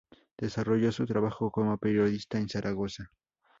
Desarrolló su trabajo como periodista en Zaragoza.